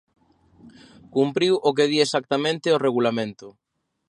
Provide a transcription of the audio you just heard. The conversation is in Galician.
Cumpriu o que di exactamente o Regulamento.